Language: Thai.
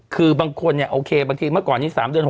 คือบางคนเนี่ยโอเคบางทีมาก่อนเสีย๓เดือน๖เดือน